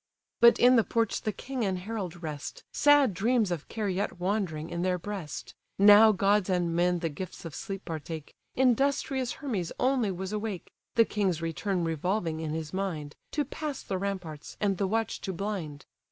But in the porch the king and herald rest; Sad dreams of care yet wandering in their breast. Now gods and men the gifts of sleep partake; Industrious Hermes only was awake, The king's return revolving in his mind, To pass the ramparts, and the watch to blind.